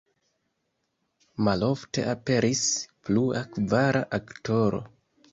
Malofte aperis plua, kvara aktoro.